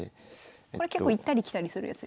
これ結構行ったり来たりするやつですよね？